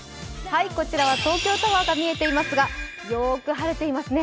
こちらは東京タワーが見えていますが、よく晴れていますね。